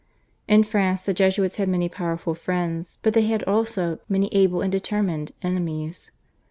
In France the Jesuits had many powerful friends, but they had also many able and determined enemies.